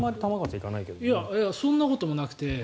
いやそんなこともなくて。